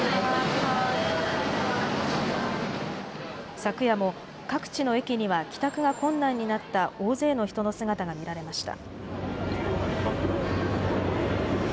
昨夜も各地の駅には帰宅が困難になった大勢の人の姿が見られました。